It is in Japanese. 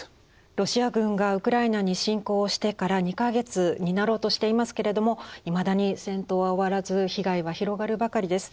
ロシア軍がウクライナに侵攻をしてから２か月になろうとしていますけれどもいまだに戦闘は終わらず被害は広がるばかりです。